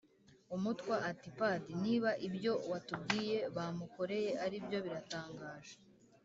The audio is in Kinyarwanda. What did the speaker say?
” umutwa ati ”padi, niba ibyo watubwiye bamukoreye aribyo biratangaje